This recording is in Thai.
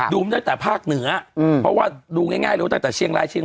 ดูที่นครสวรรค์กี่วัน